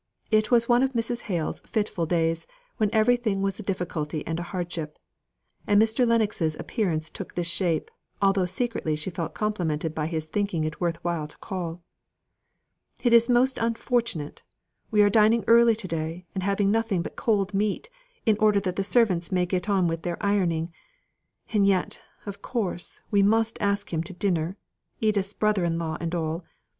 It was one of Mrs. Hale's fitful days, when everything was a difficulty and a hardship: and Mr. Lennox's appearance took this shape, although secretly she felt complimented by his thinking it worth while to call. "It is most unfortunate! We are dining early to day, and having nothing but cold meat, in order that the servants may get on with their ironing; and yet, of course, we must ask him to dinner Edith's brother in law and all.